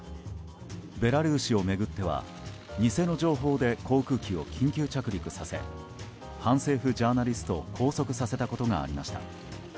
ベラルーシを巡っては偽の情報で航空機を緊急着陸させ反政府ジャーナリストを拘束させたことがありました。